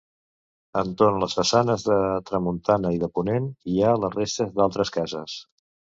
Entorn les façanes de tramuntana i de ponent hi ha les restes d'altres cases.